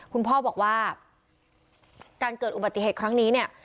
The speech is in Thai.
คุณพ่อบอกว่าการเกิดอุบัติเหตุครั้งนี้เนี่ย